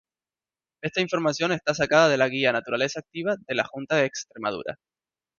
Esta información está sacada de la guía Naturaleza Activa de la Junta de Extremadura.